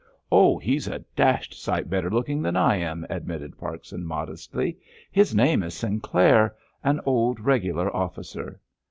"Oh, he's a dashed sight better looking than I am," admitted Parkson modestly; "his name is Sinclair, an old regular officer."